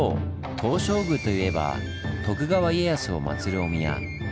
東照宮といえば徳川家康をまつるお宮。